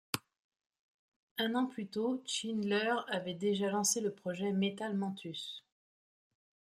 Un an plus tôt, Schindler avait déjà lancé le projet Metal Mantus.